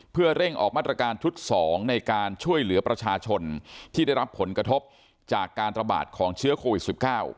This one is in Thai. เพื่อเร่งออกมาตรการชุด๒ในการช่วยเหลือประชาชนที่ได้รับผลกระทบจากการระบาดของเชื้อโควิด๑๙